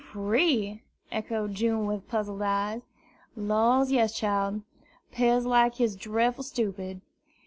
"Free!" echoed June, with puzzled eyes. "Laws, yes, chile; 'pears like yer's drefful stupid.